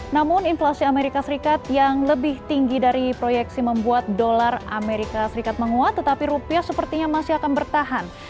namun inflasi amerika serikat yang lebih tinggi dari proyeksi membuat dolar amerika serikat menguat tetapi rupiah sepertinya masih akan bertahan